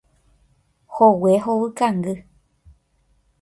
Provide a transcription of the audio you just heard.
Hogue hovykangy.